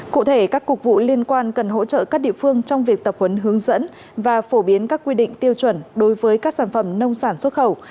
cụ thể các cục vụ liên quan cần hỗ trợ các địa phương trong việc tập huấn hướng dẫn và phổ biến các quy định tiêu chuẩn đối với các sản phẩm nông sản xuất khẩu